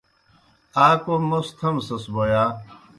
آ کوْم موْس تھمسَس بوْ یا؟